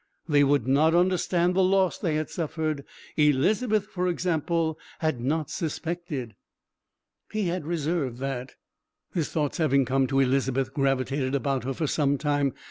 They would not understand the loss they had suffered. Elizabeth, for example, had not suspected.... He had reserved that. His thoughts having come to Elizabeth gravitated about her for some time.